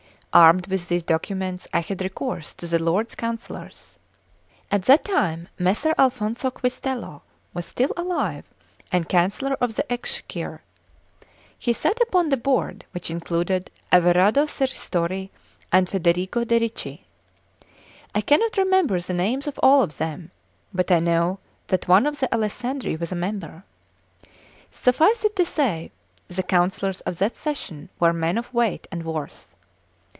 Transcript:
Armed with these documents, I had recourse to the Lords Counsellors. At that time Messer Alfonso Quistello was still alive and Chancellor of the Exchequer; he sat upon the Board, which included Averardo Serristori and Federigo de' Ricci. I cannot remember the names of all of them, but I know that one of the Alessandri was a member. Suffice it to say, the counsellors of that session were men of weight and worth.